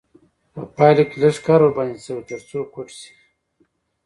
په پایله کې لږ کار ورباندې شوی تر څو کوټ شي.